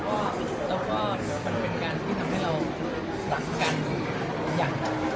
มันก็เป็นการที่ทำให้เราหลักกันอย่าง